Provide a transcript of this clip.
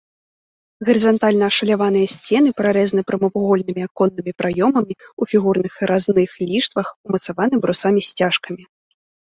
Гарызантальна ашаляваныя сцены прарэзаны прамавугольнымі аконнымі праёмамі ў фігурных разных ліштвах, умацаваны брусамі-сцяжкамі.